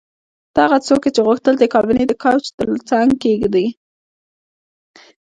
ته هغه څوک یې چې غوښتل دې کابینه د کوچ ترڅنګ کیږدې